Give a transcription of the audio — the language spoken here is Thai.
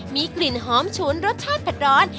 มีกลิ่นหอมฉุนรสชาติเผ็ดร้อน